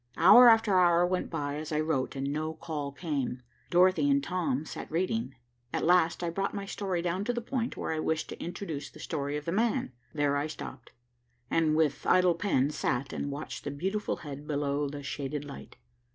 Hour after hour went by as I wrote, and no call came. Dorothy and Tom sat reading. At last I brought my story down to the point where I wished to introduce the story of the man. There I stopped, and with idle pen sat and watched the beautiful head below the shaded light.